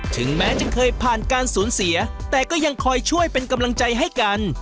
ถึงแม้จะเคยผ่านการสูญเสียแต่ก็ยังคอยช่วยเป็นกำลังใจให้กัน